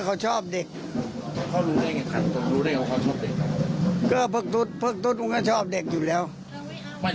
เขาแสดงออกหรือว่าคำพูดคำจางแล้วล่ะ